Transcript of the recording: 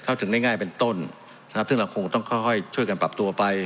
เข้าถึงได้ง่ายเป็นต้นซึ่งเราต้องค่อยช่วยกันปรับตัวไป